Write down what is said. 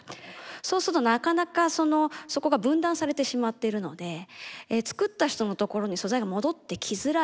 そうするとなかなかそのそこが分断されてしまっているので作った人のところに素材が戻ってきづらい。